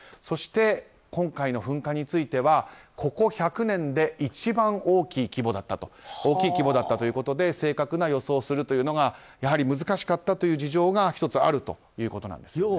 そして、今回の噴火についてはここ１００年で一番大きい規模だったということで正確に予想することが難しかったという事情が１つあるということなんです。